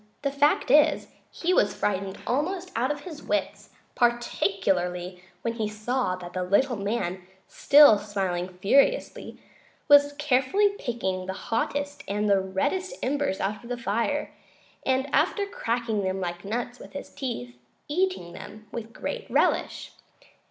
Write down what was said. The fact is, he was frightened almost out of his wits, particularly when he saw that the little man, still smiling furiously, was carefully picking the hottest and reddest embers out of the fire, and, after cracking them like nuts with his teeth, eating them with great relish.